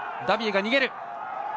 ダビエが逃げる。